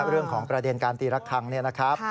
เรื่องของประเด็นการตีระคังเนี่ยนะครับ